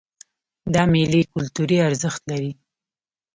دا میلې کلتوري ارزښت لري.